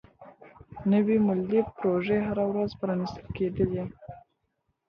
نوي مولدي پروژې هره ورځ پرانيستل کيدلې.